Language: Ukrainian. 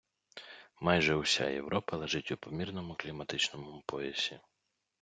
Майже уся Європа лежить у помірному кліматичному поясі.